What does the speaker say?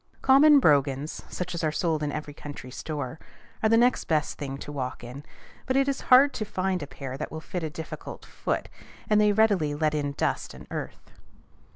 Common brogans, such as are sold in every country store, are the next best things to walk in; but it is hard to find a pair that will fit a difficult foot, and they readily let in dust and earth.